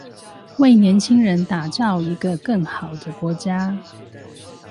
為年輕人打造一個更好的國家